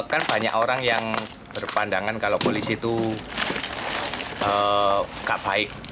kan banyak orang yang berpandangan kalau polisi itu gak baik